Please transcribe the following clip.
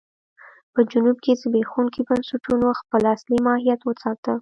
په جنوب کې زبېښونکو بنسټونو خپل اصلي ماهیت وساته.